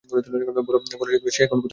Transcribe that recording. বলো, সে এখন কোথায় আছে?